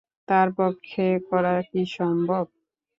তার পক্ষে করা কি সম্ভব?